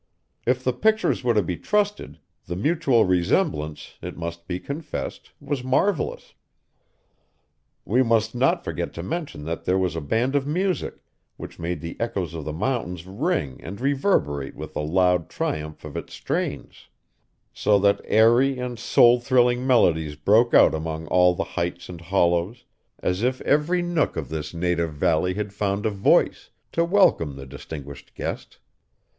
If the pictures were to be trusted, the mutual resemblance, it must be confessed, was marvellous. We must not forget to mention that there was a band of music, which made the echoes of the mountains ring and reverberate with the loud triumph of its strains; so that airy and soul thrilling melodies broke out among all the heights and hollows, as if every nook of his native valley had found a voice, to welcome the distinguished guest.